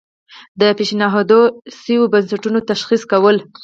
د پیشنهاد شویو بستونو تشخیص کول.